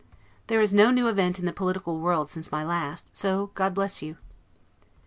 There is no new event in the political world since my last; so God bless you!